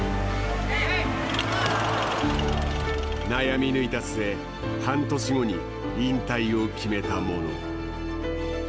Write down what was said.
悩み抜いた末半年後に引退を決めた者。